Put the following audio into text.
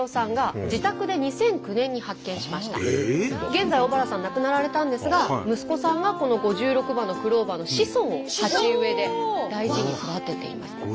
現在小原さん亡くなられたんですが息子さんがこの５６葉のクローバーの子孫を鉢植えで大事に育てています。